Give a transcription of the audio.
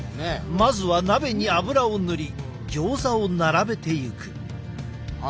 まずは鍋に油を塗りギョーザを並べていく。